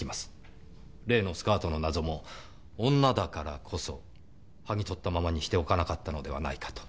例のスカートの謎も女だからこそはぎ取ったままにしておかなかったのではないかと。